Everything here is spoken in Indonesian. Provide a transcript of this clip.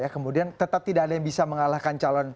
kemudian tetap tidak ada yang bisa mengalahkan calon